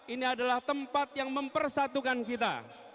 ini adalah tempat yang mempersatukan kita